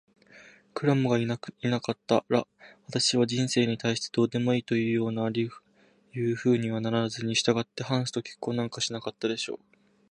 クラムがいなかったら、あなたは人生に対してどうでもいいというようなふうにはならず、したがってハンスと結婚なんかしなかったでしょう。